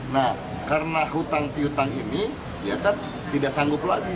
nah karena hutang piutang ini ya kan tidak sanggup lagi